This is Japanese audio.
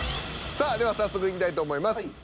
さあでは早速いきたいと思います。